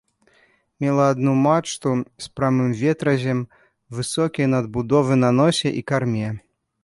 Мела адну мачту з прамым ветразем, высокія надбудовы на носе і карме.